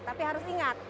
tapi harus ingat